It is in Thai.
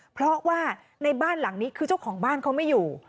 เพราะว่าในบ้านหลังนี้คือเจ้าของบ้านเขาไม่อยู่